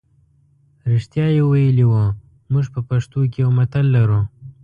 رښتیا یې ویلي وو موږ په پښتو کې یو متل لرو.